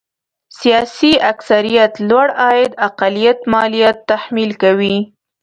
سیاسي اکثريت لوړ عاید اقلیت ماليات تحمیل کوي.